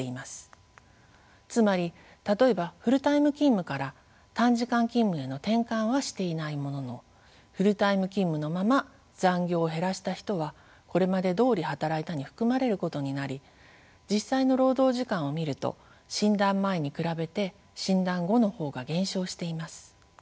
つまり例えばフルタイム勤務から短時間勤務への転換はしていないもののフルタイム勤務のまま残業を減らした人は「これまでどおり働いた」に含まれることになり実際の労働時間を見ると診断前に比べて診断後の方が減少しています。